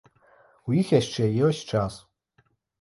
У іх яшчэ ёсць час.